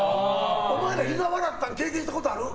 お前ら、ひざ笑うって経験したことある？